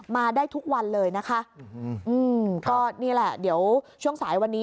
มาได้ทุกวันเลยนะคะอืมก็นี่แหละเดี๋ยวช่วงสายวันนี้